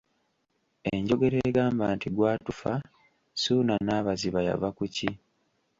Enjogera egamba nti gwatufa, Ssuuna n'Abaziba yava ku ki?